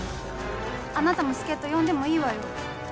あなたも助っ人呼んでもいいわよ。